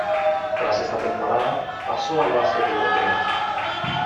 Tras esta temporada, pasó al básquet europeo.